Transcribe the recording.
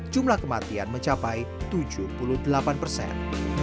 jumlah kematian mencapai tujuh puluh delapan persen